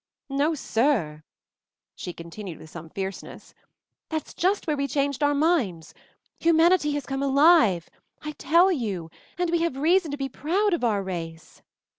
No, Sir" she continued with some fierceness, "that's just where we changed our minds ! Human ity has come alive, I tell you and we have reason to be proud of our race!"